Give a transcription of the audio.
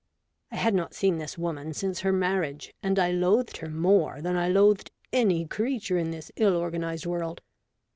I had not seen this woman since her marriage, and I loathed her more than I loathed any creature in this ill organized world.